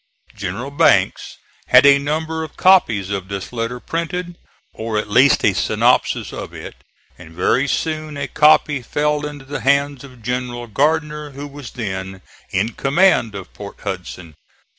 General Banks had a number of copies of this letter printed, or at least a synopsis of it, and very soon a copy fell into the hands of General Gardner, who was then in command of Port Hudson.